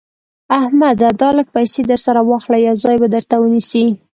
احمده دا لږ پيسې در سره واخله؛ يو ځای به درته ونيسي.